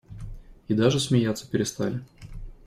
И даже смеяться перестали.